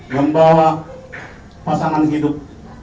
membawa pasangan hidup